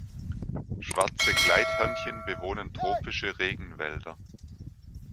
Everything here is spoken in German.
Schwarze Gleithörnchen bewohnen tropische Regenwälder.